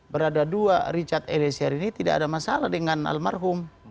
berada dua richard eliezer ini tidak ada masalah dengan almarhum